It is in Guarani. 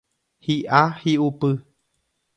Hi'a hi'upy.